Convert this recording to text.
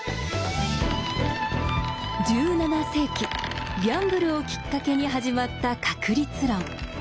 １７世紀ギャンブルをきっかけに始まった確率論。